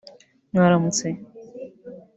Mwaramutse